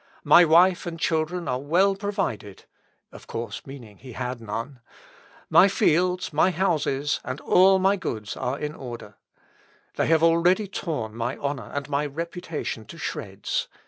My wife and children are well provided, (of course, meaning he had none;) my fields, my houses, and all my goods, are in order. They have already torn my honour and my reputation to shreds.